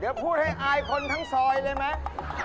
เดี๋ยวพูดให้อายคนทั้งซอยเลยไหม